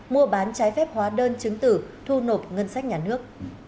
mua bán trái phép hóa đơn chứng tử thu nộp ngân sách nhà nước